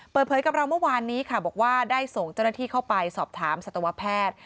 เปิดเผยกับเราเมื่อวานนี้ค่ะบอกว่าได้ส่งเจ้าหน้าที่เข้าไปสอบถามสัตวแพทย์